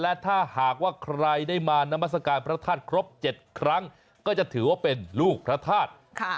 และถ้าหากว่าใครได้มานามัศกาลพระธาตุครบ๗ครั้งก็จะถือว่าเป็นลูกพระธาตุ